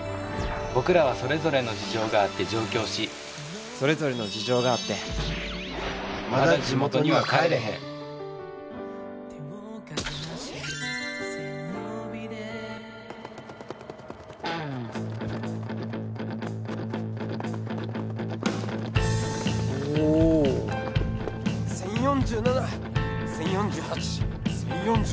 僕らはそれぞれの事情があって上京しそれぞれの事情があってまだジモトには帰れへんおーっ１０４７１０４８１０４９